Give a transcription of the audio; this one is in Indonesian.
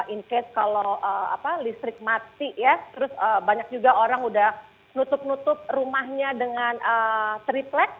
in case kalau listrik mati ya terus banyak juga orang udah nutup nutup rumahnya dengan triplex